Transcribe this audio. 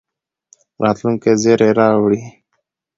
راتلونکي زېری راوړي.